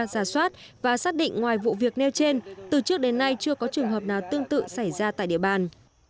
giả soát và xác định ngoài vụ việc nêu trên từ trước đến nay chưa có trường hợp nào tương tự xảy ra tại địa bàn